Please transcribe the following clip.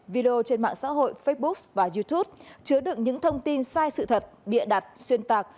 video trên mạng xã hội facebook và youtube chứa đựng những thông tin sai sự thật bịa đặt xuyên tạc